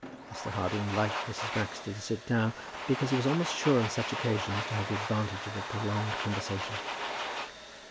Mr. Harding liked Mrs. Baxter to sit down, because he was almost sure on such occasions to have the advantage of a prolonged conversation.